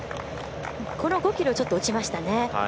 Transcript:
この５ｋｍちょっと落ちましたね。